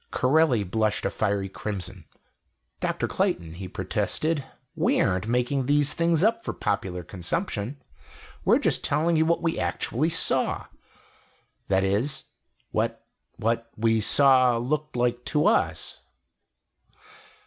Corelli blushed a fiery crimson. "Dr. Clayton," he protested, "we aren't making these things up for popular consumption. We're just telling you what we actually saw that is what what we saw looked like to us."